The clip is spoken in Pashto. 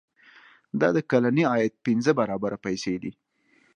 دا د کلني عاید پنځه برابره پیسې دي.